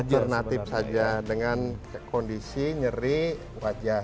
ada alternatif saja dengan kondisi nyeri wajar